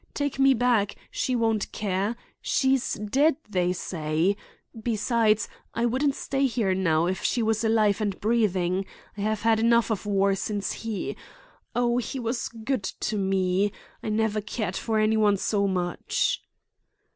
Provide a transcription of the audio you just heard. Take me back; she won't care. She's dead, they say. Besides, I wouldn't stay here now if she was alive and breathing. I have had enough of war since he—Oh, he was good to me—I never cared for any one so much."